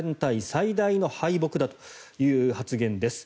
最大の敗北だという発言です。